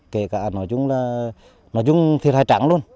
kể cả nói chung là nói chung thiệt hại trắng luôn